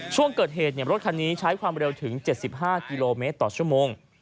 ช่วงเกิดเหตุรถคันนี้ใช้ความเร็วถึง๗๕กิโลเมตรต่อชั่วโมง